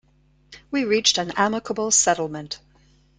We reached an amicable settlement.